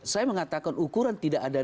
saya mengatakan ukuran tidak ada